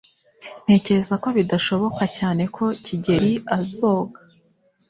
Ntekereza ko bidashoboka cyane ko Kigeri azoga.